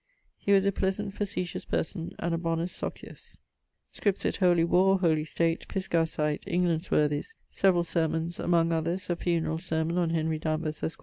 He was a pleasant facetious person, and a bonus socius. Scripsit 'Holy Warre'; 'Holy State'; 'Pisgah Sight'; 'England's Worthies'; severall Sermons, among others, a funerall sermon on Henry Danvers, esq.